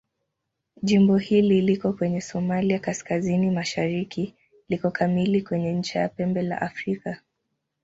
Jimbo hili liko kwenye Somalia kaskazini-mashariki liko kamili kwenye ncha ya Pembe la Afrika.